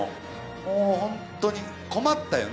もうほんとに困ったよね。